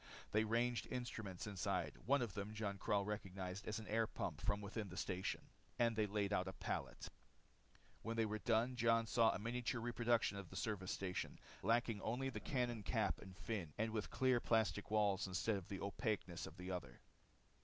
They ranged instruments inside one of them Jon Karyl recognized as an air pump from within the station and they laid out a pallet. When they were done Jon saw a miniature reproduction of the service station, lacking only the cannon cap and fin, and with clear plastic walls instead of the opaqueness of the other.